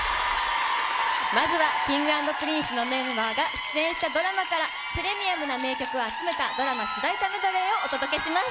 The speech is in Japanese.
まずはＫｉｎｇ＆Ｐｒｉｎｃｅのメンバーが出演したドラマから、プレミアムな名曲を集めた、ドラマ主題歌メドレーをお届けします。